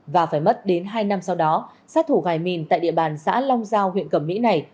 và phải mất đến hai năm sau đó sát thủ gài mìn tại địa bàn xã long giao huyện cẩm mỹ này